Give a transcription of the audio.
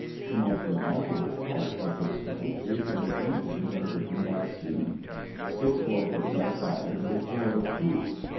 The most remarkable part of this boat is that its engines are driven by steam. Its boilers are fired with oil fuel.